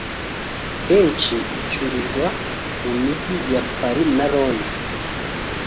kenshi icurirwa mu mijyi ya Paris na Londres